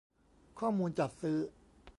ข้อมูลจัดซื้อ